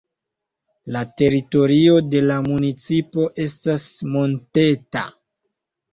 La teritorio de la municipo estas monteta.